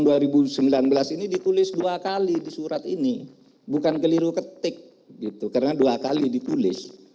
lukas ini dikulis dua kali di surat ini bukan keliru ketik karena dua kali dikulis